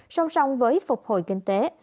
song song với phục hồi kinh tế